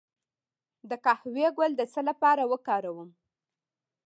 د قهوې ګل د څه لپاره وکاروم؟